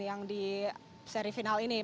yang di seri final ini